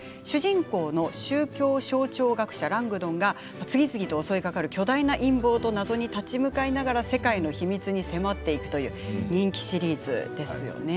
主人公の、宗教象徴学者ラングドンが次々と襲いかかる巨大な陰謀と謎に立ち向かいながら世界の秘密に迫っていくという人気シリーズです。